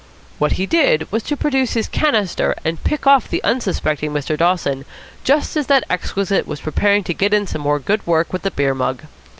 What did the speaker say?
What he did was to produce his "canister" and pick off the unsuspecting Mr. Dawson just as that exquisite was preparing to get in some more good work with the beer mug.